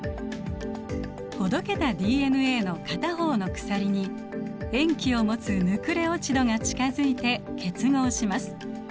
ほどけたＤＮＡの片方の鎖に塩基を持つヌクレオチドが近づいて結合します。